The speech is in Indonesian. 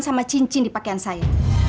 sama cincin di pakaian saya